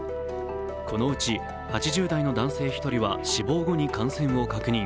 このうち８０代の男性１人は死亡後に感染を確認。